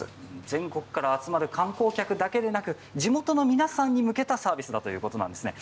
全国から集まる観光客だけでなく地元の皆さんに向けたサービスだということなんですね。